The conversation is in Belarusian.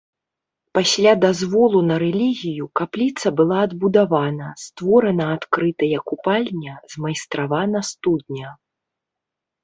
Пасля дазволу на рэлігію, капліца была адбудавана, створана адкрытая купальня, змайстравана студня.